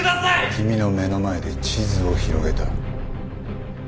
君の目の前で地図を広げた。